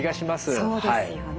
そうですよね。